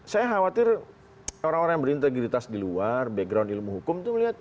saya khawatir orang orang yang berintegritas di luar background ilmu hukum itu melihat